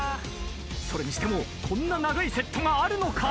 それにしてもこんな長いセットがあるのか？